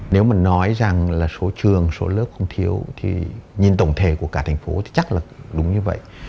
nếu mà nói rằng là số trường số lớp không thiếu thì nhìn tổng thể của cả thành phố thì chắc là đúng như vậy